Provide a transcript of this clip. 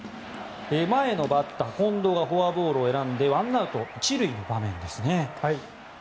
前の近藤がフォアボールを選んでワンアウト１塁の場面です。